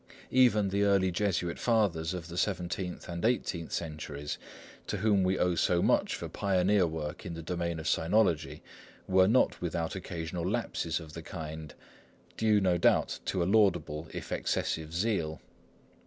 Even the early Jesuit Fathers of the seventeenth and eighteenth centuries, to whom we owe so much for pioneer work in the domain of Sinology, were not without occasional lapses of the kind, due no doubt to a laudable if excessive zeal.